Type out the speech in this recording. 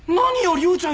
龍ちゃん。